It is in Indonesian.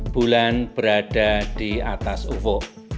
bulan berada di atas ufo